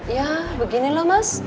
ya begini loh mas